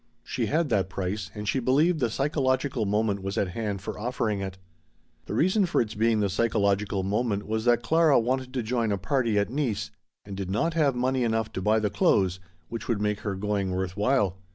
She had that price and she believed the psychological moment was at hand for offering it. The reason for its being the psychological moment was that Clara wanted to join a party at Nice and did not have money enough to buy the clothes which would make her going worth while.